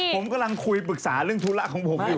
ผมกำลังคุยปรึกษาเรื่องธุระของผมอยู่